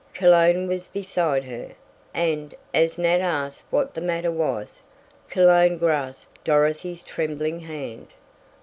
Cologne was beside her, and, as Nat asked what the matter was, Cologne grasped Dorothy's trembling hand.